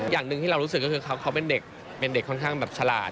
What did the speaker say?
อย่างหนึ่งที่เรารู้สึกก็คือเขาเป็นเด็กเป็นเด็กค่อนข้างแบบฉลาด